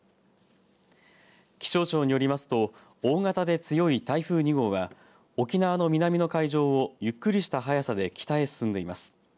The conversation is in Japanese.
気象庁によりますと大型で強い台風２号は沖縄の南の海上をゆっくりした速さで北へ進んでいます。